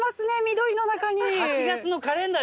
緑の中に。